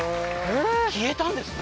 消えたんですね。